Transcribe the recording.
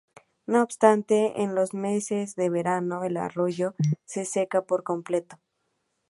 No obstante, en los meses de verano, el arroyo se seca por completo.